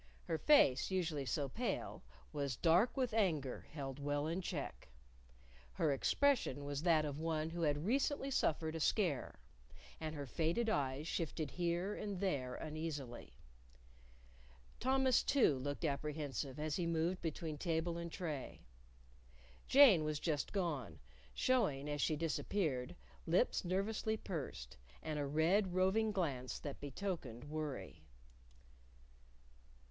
Her face, usually so pale, was dark with anger held well in check. Her expression was that of one who had recently suffered a scare, and her faded eyes shifted here and there uneasily. Thomas, too, looked apprehensive as he moved between table and tray. Jane was just gone, showing, as she disappeared, lips nervously pursed, and a red, roving glance that betokened worry.